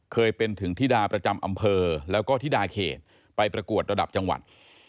เคยเป็นถึงธิดาประจำอำเภอแล้วก็ธิดาเขตไปประกวดระดับจังหวัด